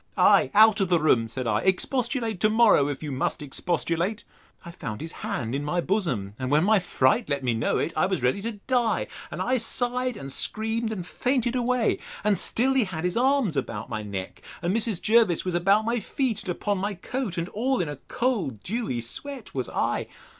Ay, out of the room, said I; expostulate to morrow, if you must expostulate! I found his hand in my bosom; and when my fright let me know it, I was ready to die; and I sighed and screamed, and fainted away. And still he had his arms about my neck; and Mrs. Jervis was about my feet, and upon my coat. And all in a cold dewy sweat was I.